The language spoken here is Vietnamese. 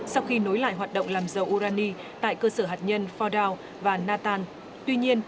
sau khi nối lại hoạt động làm dầu urani tại cơ sở hạt nhân fordow và natan tuy nhiên